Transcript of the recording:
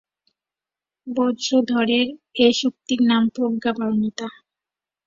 বজ্রধরের এ শক্তির নাম প্রজ্ঞাপারমিতা।